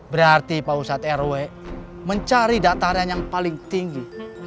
berarti pak ustadz rw mencari dataran yang paling tinggi